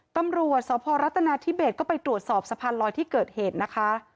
ตำรวจสพรัฐนาธิเบสก็ไปตรวจสอบสะพานลอยที่เกิดเหตุนะคะ